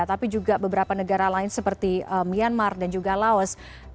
tapi juga beberapa negara lain seperti myanmar dan juga laos